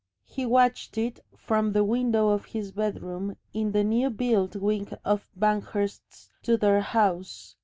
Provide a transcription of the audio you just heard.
He watched it from the window of his bedroom in the new built wing of Banghurst's Tudor house.